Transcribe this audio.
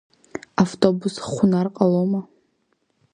Автобус хәнар ҟалома?